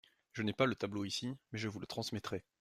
Je n’ai pas le tableau ici, mais je vous le transmettrai.